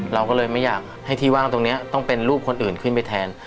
เราก็เลยไม่อยากให้ที่ว่างตรงนี้ต้องเป็นรูปคนอื่นขึ้นไปแทน